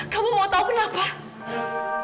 kamu mau tahu kenapa